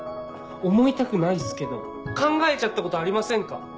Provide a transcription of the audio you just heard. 思いたくないっすけど考えちゃったことありませんか？